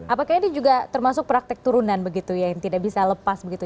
apakah ini juga termasuk praktek turunan begitu ya yang tidak bisa lepas begitu